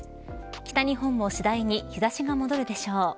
北日本も次第に日差しが戻るでしょう。